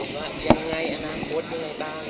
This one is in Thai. ว่ายังไงอนาคตยังไงบ้าง